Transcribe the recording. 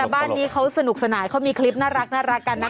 บ้านนี้เขาสนุกสนานเขามีคลิปน่ารักกันนะคะ